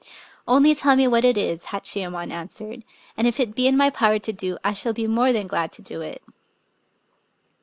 "Only tell me what it is," Hachiyemon an swered ;" and if it be in my power to do, I shall be more than glad to do it."